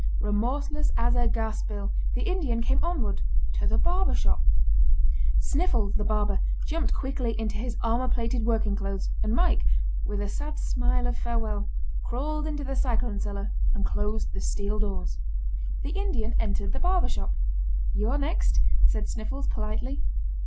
Remorseless as a gas bill the Indian came onward to the barber shop. Sniffles, the barber, jumped quickly into his armor plated working clothes, and Mike, with a sad smile of farewell, crawled into the cyclone cellar and closed the steel doors. The Indian entered the barber shop. "You are next!" said Sniffles, politely.